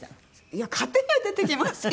いや勝手には出てきません！